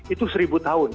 itu seribu tahun